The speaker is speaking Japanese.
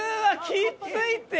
きついって！